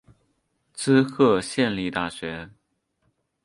滋贺县立大学